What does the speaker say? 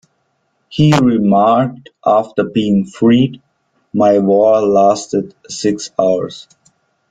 He remarked after being freed: My war lasted six hours.